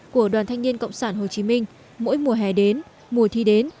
của đoàn thanh niên cộng sản hồ chí minh mỗi mùa hè đến mùa thi đến